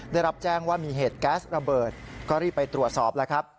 ได้รับแจ้งว่ามีเหตุแก๊สระเบิดก็รีบไปตรวจสอบแล้วครับ